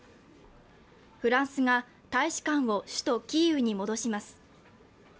フランスが大使館を首都キーウに戻します。